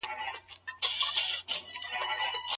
اقتصاد پوهنځۍ بې اسنادو نه ثبت کیږي.